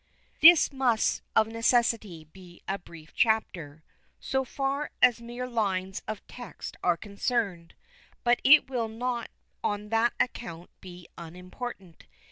This must of necessity be a brief chapter, so far as mere lines of text are concerned, but it will not on that account be unimportant.